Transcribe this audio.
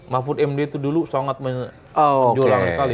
mahfud md itu dulu sangat menjulang sekali